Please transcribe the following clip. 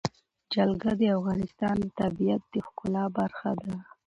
جلګه د افغانستان د طبیعت د ښکلا برخه ده.